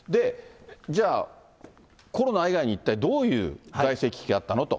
じゃあ、コロナ以外に一体どういう財政危機があったのと。